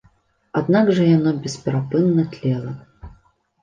Аднак жа яно бесперапынна тлела.